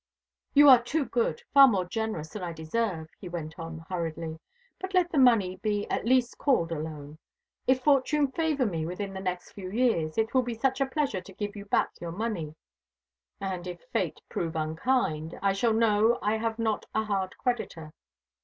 "You are too good, far more generous than I deserve," he went on hurriedly. "But let the money be at least called a loan. If fortune favour me within the next few years, it will be such a pleasure to give you back your money. And if Fate prove unkind, I shall know I have not a hard creditor.